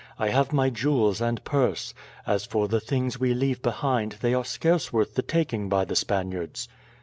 "I have my jewels and purse. As for the things we leave behind, they are scarce worth the taking by the Spaniards."